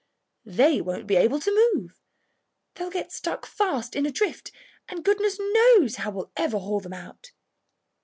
They won't be able to move. They'll get stuck fast in a drift, and goodness knows how we'll ever haul them out."